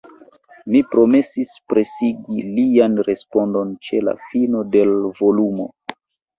Mi promesis presigi lian respondon ĉe la fino de l' volumo.